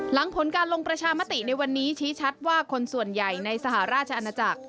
หลังผลการลงประชามติในวันนี้ชี้ชัดว่าคนส่วนใหญ่ในสหราชอาณาจักร